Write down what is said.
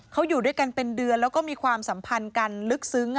เขาอยู่ด้วยกันเป็นเดือนแล้วก็มีความสัมพันธ์กันลึกซึ้ง